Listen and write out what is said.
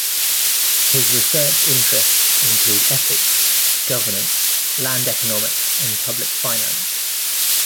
His research interests include ethics, governance, land economics and public finance.